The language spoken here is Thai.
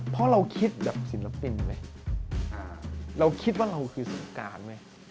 เพราะเราคิดแบบศิลปินไหมเราคิดว่าเราคือสงการไหม